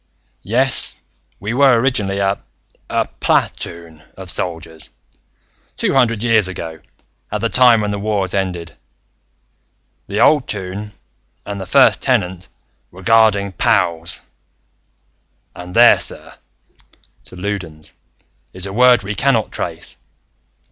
"Yes, we were originally a ... a pla toon of soldiers, two hundred years ago, at the time when the Wars ended. The old Toon, and the First Tenant, were guarding POWs, and there, sir," to Loudons "is a word we cannot trace.